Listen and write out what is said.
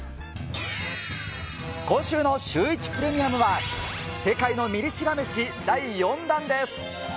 今週のシューイチプレミアムは、世界のミリしら飯第４弾です。